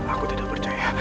aku tidak percaya